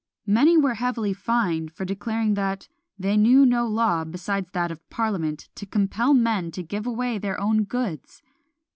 Many were heavily fined for declaring that "they knew no law, besides that of Parliament, to compel men to give away their own goods."